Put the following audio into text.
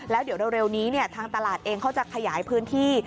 แล้วเดี๋ยวเร็วนี้ทางตลาดเองเขาจะขยายพื้นที่